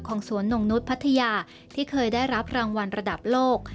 สวนนงนุษย์พัทยาที่เคยได้รับรางวัลระดับโลก